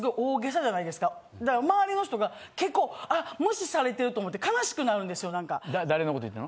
だから周りの人が結構「あっ無視されてる」と思って悲しくなるんですよなんか。